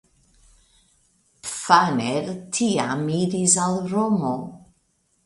Pfanner tiam iris al Romo.